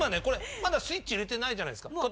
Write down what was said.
これまだスイッチ入れてないじゃないですか。